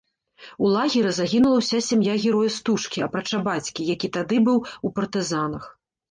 У лагеры загінула ўся сям'я героя стужкі, апрача бацькі, які тады быў у партызанах.